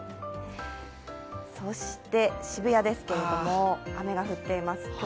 そして渋谷ですけれども、雨が降っています。